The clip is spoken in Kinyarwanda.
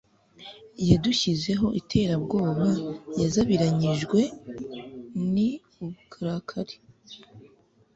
Yadushyizeho iterabwoba yazabiranyijwe n uburakari